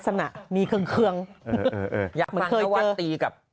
แป๊บ